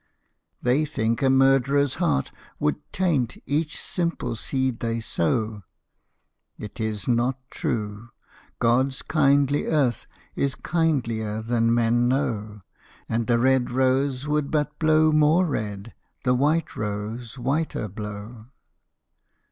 They think a murdererâs heart would taint Each simple seed they sow. It is not true! Godâs kindly earth Is kindlier than men know, And the red rose would but blow more red, The white rose whiter blow.